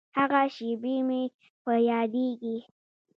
هغه شېبې مې په یادیږي.